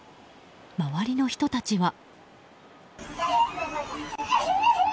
周りの人たちは。